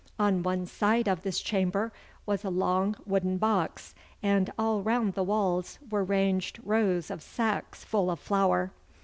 On one side of this chamber was a long wooden box, and all round the walls were ranged rows of sacks full of flour.